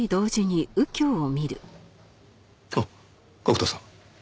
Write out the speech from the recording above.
あっ角田さん。